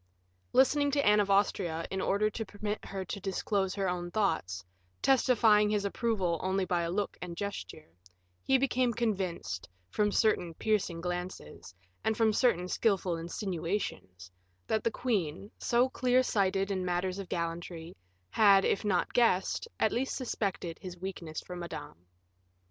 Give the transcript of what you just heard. Listening to Anne of Austria, in order to permit her to disclose her own thoughts, testifying his approval only by look and gesture, he became convinced, from certain piercing glances, and from certain skillful insinuations, that the queen, so clear sighted in matters of gallantry, had, if not guessed, at least suspected, his weakness for Madame.